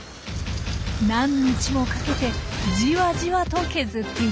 何日もかけてじわじわと削っていきます。